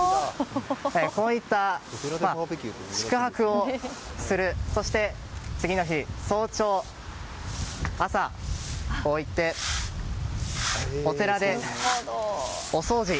こういった宿泊をするそして、次の日の早朝こうやって、お寺でお掃除。